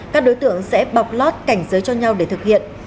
các đối tượng sẽ bọc lót cảnh giới cho nhau để thực hiện